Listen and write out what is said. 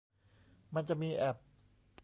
มันจะมีแอป